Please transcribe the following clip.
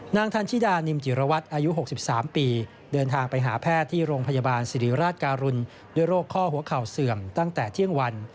ทันชิดานิมจิรวัตรอายุ๖๓ปีเดินทางไปหาแพทย์ที่โรงพยาบาลสิริราชการุณด้วยโรคข้อหัวเข่าเสื่อมตั้งแต่เที่ยงวัน